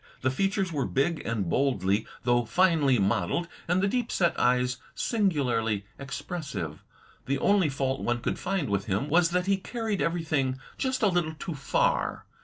The features were big and boldly, though finely, modeled, and the deep set eyes singularly expressive. The only fault one could find with him was that he carried eveiything just a little too far.